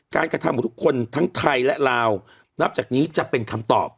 กระทำของทุกคนทั้งไทยและลาวนับจากนี้จะเป็นคำตอบ